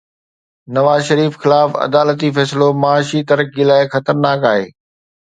نواز شريف خلاف عدالتي فيصلو معاشي ترقي لاءِ خطرناڪ آهي